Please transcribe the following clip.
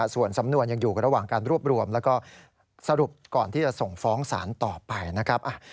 ส่วนสำนวนยังอยู่ระหว่างการรวบรวมแล้วก็สรุปก่อนที่จะส่งฟ้องศาลต่อไปนะครับ